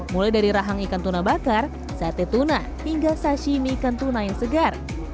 mulai dari rahang ikan tuna bakar sate tuna hingga sashimi ikan tuna yang segar